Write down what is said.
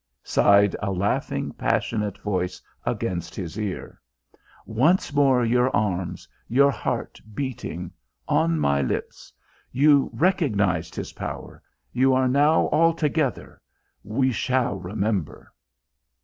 sighed a laughing, passionate voice against his ear. "Once more your arms, your heart beating on my lips...! You recognised his power. You are now altogether! We shall remember!"